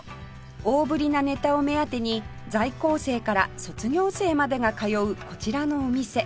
大ぶりなネタを目当てに在校生から卒業生までが通うこちらのお店